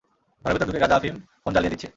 ঘরের ভেতর ঢুকে গাঁজা, আফিম, ফোন জ্বালিয়ে দিচ্ছে।